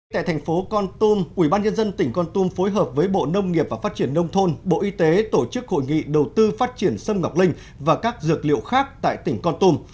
tại thành phố con tum ubnd tỉnh con tum phối hợp với bộ nông nghiệp và phát triển nông thôn bộ y tế tổ chức hội nghị đầu tư phát triển sâm ngọc linh và các dược liệu khác tại tỉnh con tum